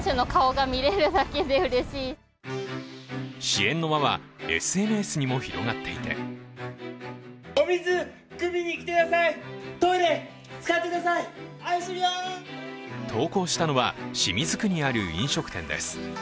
支援の輪はＳＮＳにも広がっていて投稿したのは清水区にある飲食店です。